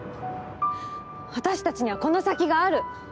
私たちにはこの先がある。